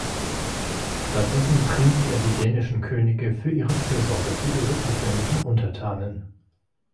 Stattdessen pries er die dänischen Könige für ihre Fürsorge für ihre isländischen Untertanen.